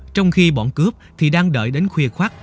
trong khi bọn cướp thì đang đợi đến khuya khoát